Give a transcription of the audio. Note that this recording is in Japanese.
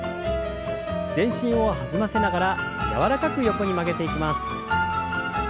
全身を弾ませながら柔らかく横に曲げていきます。